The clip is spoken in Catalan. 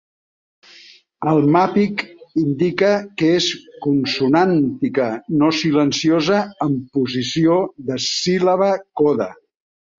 El "mappiq" indica que és consonàntica, no silenciosa, en posició de síl·laba-coda.